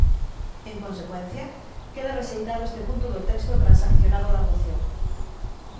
En consecuencia, queda rexeitado este punto do texto transaccionado da moción.